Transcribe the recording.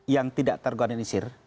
yang tidak terorganisir